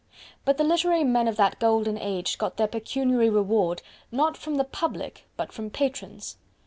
But the literary men of that golden age got their pecuniary reward not from the public, but from patrons.